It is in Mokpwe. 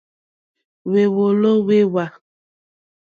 Hwèwòló hwé hwa.